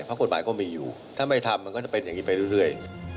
เพราะกฎหมายก็มีอยู่ถ้าไม่ทำมันก็จะเป็นอย่างนี้ไปเรื่อย